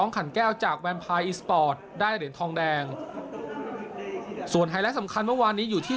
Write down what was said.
ไทยอีสปอร์ตได้เหรียญทองแดงส่วนให้และสำคัญเมื่อวานนี้อยู่ที่